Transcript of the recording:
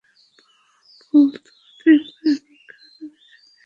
বোহ, ভুল তো হতেই পারে, মন খারাপের কিছু নেই।